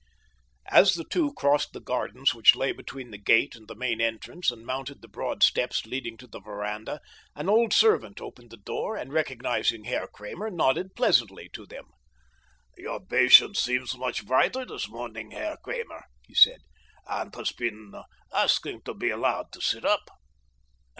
As the two crossed the gardens which lay between the gate and the main entrance and mounted the broad steps leading to the veranda an old servant opened the door, and recognizing Herr Kramer, nodded pleasantly to him. "Your patient seems much brighter this morning, Herr Kramer," he said, "and has been asking to be allowed to sit up."